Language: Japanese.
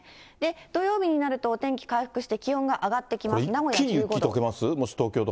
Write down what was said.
土曜日になると、お天気回復して気温が上がってきます。